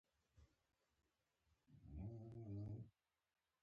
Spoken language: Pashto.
زده کړه ځواک راوړي.